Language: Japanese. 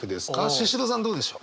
シシドさんどうでしょう？